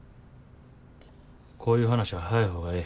こういう話は早い方がええ。